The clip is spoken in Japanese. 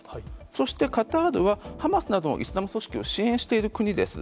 そしてカタールは、ハマスなどのイスラム組織を支援している国です。